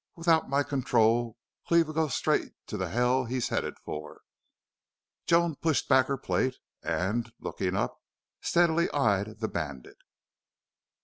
Without my control Cleve'll go straight to the hell he's headed for." Joan pushed back her plate and, looking up, steadily eyed the bandit.